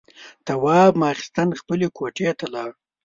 تواب ماخستن خپلې کوټې ته لاړ.